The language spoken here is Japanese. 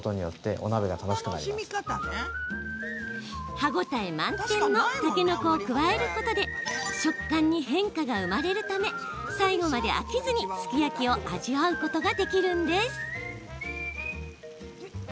歯応え満点のたけのこを加えることで食感に変化が生まれるため最後まで飽きずに、すき焼きを味わうことができるんです。